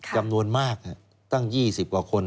จำนวนมากตั้งหยี่สิบกว่าคน